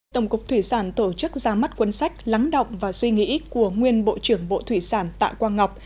tổng cục thủy sản tổ chức ra mắt cuốn sách lắng đọc và suy nghĩ của nguyên bộ trưởng bộ thủy sản tạ quang ngọc